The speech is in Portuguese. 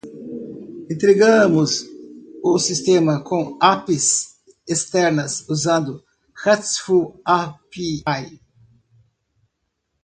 Integramos o sistema com APIs externas usando RESTful API.